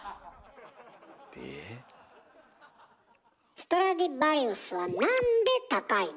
ストラディヴァリウスはなんで高いの？